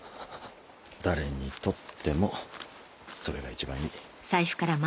誰にとってもそれが一番いい。